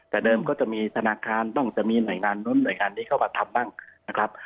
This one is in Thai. แต่เดิมก็จะมีธนาคารบ้างจะมีหน่วยงานนู้นหน่วยงานนี้เข้ามาทำบ้างนะครับ